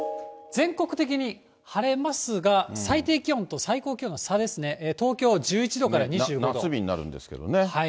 全国的に晴れますが、最低気温と最高気温の差ですね、東京１１度から２５度夏日になるんですけどね。